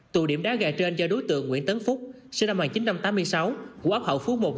tụ điểm đá gà trên do đối tượng nguyễn tấn phúc sinh năm một nghìn chín trăm tám mươi sáu của ấp hậu phú một